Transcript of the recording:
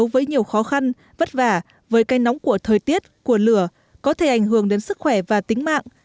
với nhiều khó khăn vất vả với cây nóng của thời tiết của lửa có thể ảnh hưởng đến sức khỏe và tính mạng